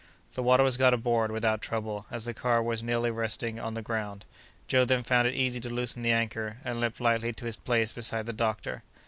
The water was got aboard without trouble, as the car was nearly resting on the ground. Joe then found it easy to loosen the anchor and leaped lightly to his place beside the doctor.